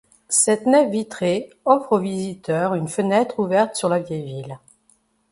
Cette nef vitrée offre aux visiteurs une fenêtre ouverte sur la vieille ville.